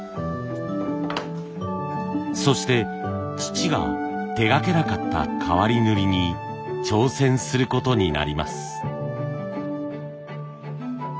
そして父が手がけなかった変わり塗に挑戦することになります。